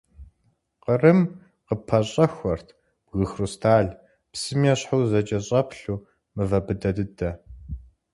Къырым къыппэщӏэхуэрт бгы хрусталь – псым ещхьу узэкӏэщӏэплъу мывэ быдэ дыдэ.